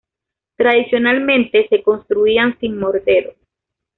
Tradicionalmente, se construían sin mortero.